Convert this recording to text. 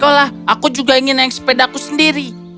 kau lah aku juga ingin naik sepedaku sendiri